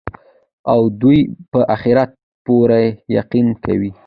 او دوى په آخرت پوره يقين كوي